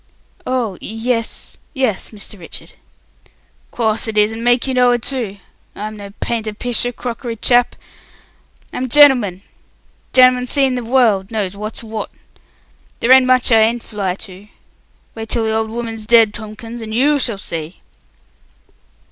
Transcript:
"Oh h h! Yes, Mr. Richard." "Course it is, and make you know it too! I'm no painter picture, crockery chap. I'm genelman! Genelman seen the world! Knows what's what. There ain't much I ain't fly to. Wait till the old woman's dead, Tomkins, and you shall see!"